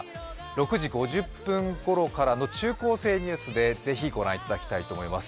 ６時５０分ごろからの「中高生ニュース」でぜひご覧いただきたいと思います。